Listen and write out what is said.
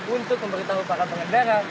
untuk memberitahu para pengendara